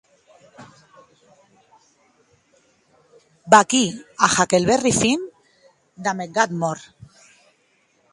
Vaquí a Huckleberry Finn damb eth gat mòrt.